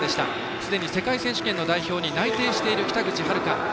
すでに世界選手権の代表に内定している北口榛花。